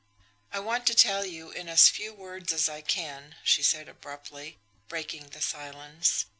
"I want to tell you in as few words as I can," she said abruptly, breaking the silence.